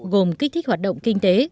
gồm kích thích hoạt động kinh tế